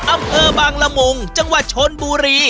อำเภอบางละมุงจังหวัดชนบุรี